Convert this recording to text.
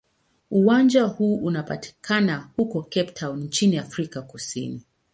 Uwanja huu unapatikana huko Cape Town nchini Afrika Kusini.